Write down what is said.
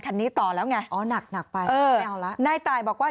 คันนี้ต่อแล้วไงนายตายบอกว่า